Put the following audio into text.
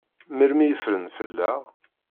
Melmi i ffren fell-aɣ?